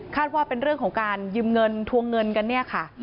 ว่าเป็นเรื่องของการยืมเงินทวงเงินกันเนี่ยค่ะ